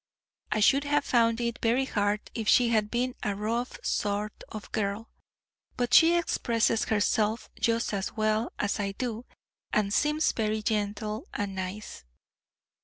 I should have found it very hard if she had been a rough sort of girl, but she expresses herself just as well as I do, and seems very gentle and nice.